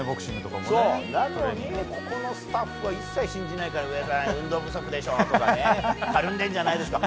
なのに、ここのスタッフは一切信じないから上田運動不足でしょとかたるんでるんでしょとか。